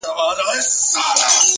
پرمختګ له دوامداره سمون پیلېږي.